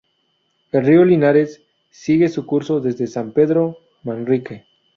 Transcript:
El río Linares sigue su curso desde San Pedro Manrique.